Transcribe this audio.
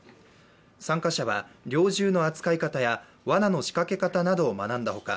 参加者は、猟銃の扱い方やわなの仕掛けた方などを学んだほか